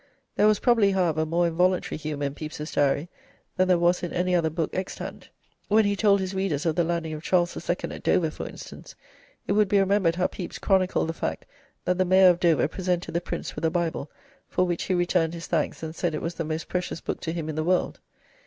There was probably, however, more involuntary humour in Pepys's Diary than there was in any other book extant. When he told his readers of the landing of Charles II. at Dover, for instance, it would be remembered how Pepys chronicled the fact that the Mayor of Dover presented the Prince with a Bible, for which he returned his thanks and said it was the 'most precious Book to him in the world.'